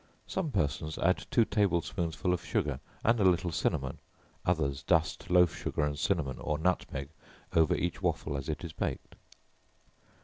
Some persons add two table spoonsful of sugar, and a little cinnamon; others dust loaf sugar and cinnamon, or nutmeg over each waffle, as it is baked.